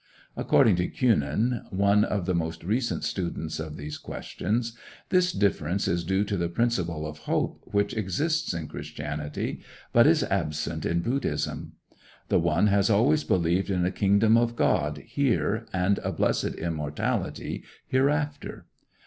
According to Kuenen, one of the most recent students of these questions, this difference is due to the principle of hope which exists in Christianity, but is absent in Buddhism. The one has always believed in a kingdom of God here and a blessed immortality hereafter.